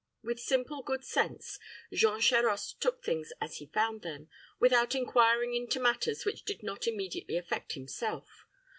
With simple good sense Jean Charost took things as he found them, without inquiring into matters which did not immediately affect himself.